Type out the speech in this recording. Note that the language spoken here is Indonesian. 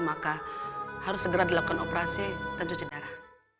maka harus segera dilakukan operasi dan cuci darah